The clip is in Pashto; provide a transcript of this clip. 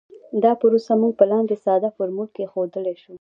دا پروسه موږ په لاندې ساده فورمول کې ښودلی شو